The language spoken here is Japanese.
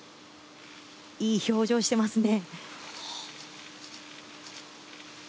いい表情をしてますね。